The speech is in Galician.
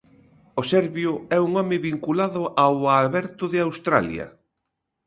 O serbio é un home vinculado ao Aberto de Australia.